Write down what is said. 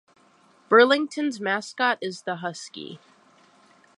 Burlington's mascot is the Husky.